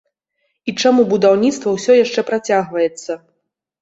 І чаму будаўніцтва ўсе яшчэ працягваецца?